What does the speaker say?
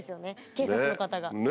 警察の方が。